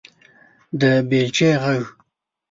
_د بېلچې غږ